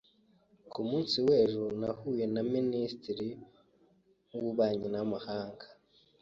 Ku munsi w'ejo bahuye na Minisitiri w’ububanyi n’amahanga.